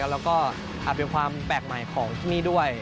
แล้วก็อาจเป็นความแปลกใหม่ของที่นี่ด้วย